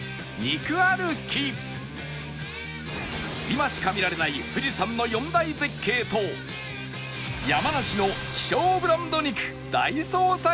今しか見られない富士山の４大絶景と山梨の希少ブランド肉大捜索